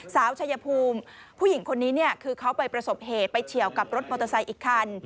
ชายภูมิผู้หญิงคนนี้เนี่ยคือเขาไปประสบเหตุไปเฉียวกับรถมอเตอร์ไซค์อีกคัน